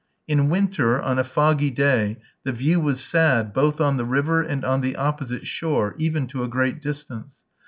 In winter, on a foggy day, the view was sad, both on the river and on the opposite shore, even to a great distance.